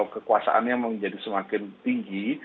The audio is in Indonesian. kekuasaannya menjadi semakin tinggi